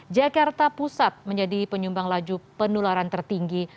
jakarta pusat menjadi penyumbang laju penularan tertinggi